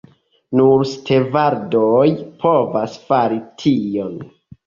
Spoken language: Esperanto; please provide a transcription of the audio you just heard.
Nur stevardoj povas fari tion.